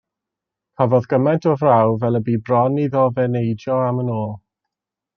Cafodd gymaint o fraw fel y bu bron iddo fe neidio am yn ôl.